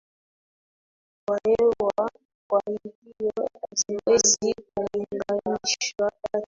wa hewa Kwa hivyo haziwezi kulinganishwa kati